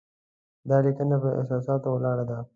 دا لیکنه پر احساساتو ولاړه ده.